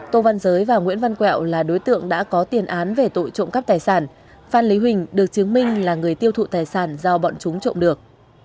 tô văn giới và nguyễn văn quẹo là đối tượng đã có tiền án về tội trộm cắp tài sản phan lý huỳnh được chứng minh là người tiêu thụ tài sản do bọn chúng trộm được